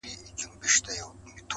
نو په سندرو کي به تا وينمه_